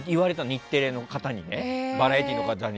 日テレのバラエティーの方に。